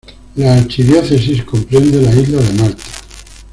El archidiócesis comprende la isla de Malta.